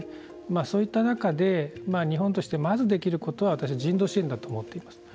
そういった中で日本として、まずできることは私は人道支援だと思っています。